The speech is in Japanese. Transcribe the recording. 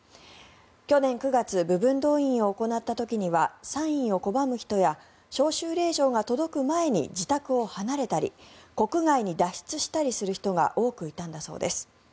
去年９月部分動員を行った時にはサインを拒む人や招集令状が届く前に自宅を離れたり国外に脱出したりする人が多くいたんだそうです。